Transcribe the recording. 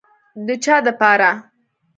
د چا دپاره.